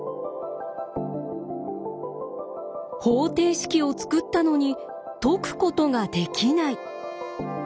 方程式を作ったのに解くことができない。